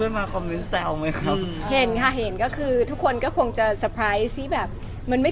อเรนนี่มีมุมเม้นท์อย่างนี้ได้เห็นอีกไหมคะแล้วแต่สถานการณ์ค่ะแล้วแต่สถานการณ์ค่ะแล้วแต่จะมีผู้ใหญ่มาจัดฉากให้หรือเปล่า